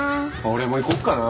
俺も行こっかな。